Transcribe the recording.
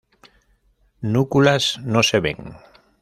Núculas no se ven.